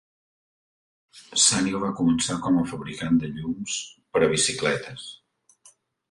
Sanyo va començar com a fabricant de llums per a bicicletes.